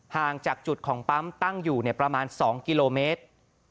ห่างจากจุดของปั๊มตั้งอยู่ประมาณ๒กิโลเมตร